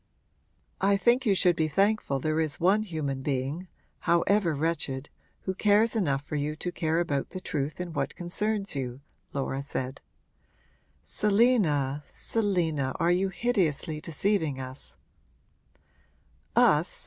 'I think you should be thankful there is one human being however wretched who cares enough for you to care about the truth in what concerns you,' Laura said. 'Selina, Selina are you hideously deceiving us?' 'Us?'